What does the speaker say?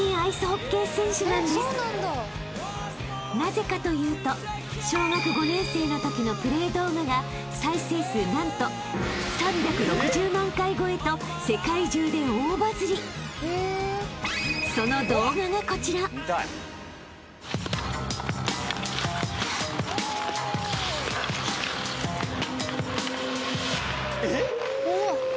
［なぜかというと小学５年生のときのプレー動画が再生数何と３６０万回超えと世界中で大バズり］えっ！？おっ！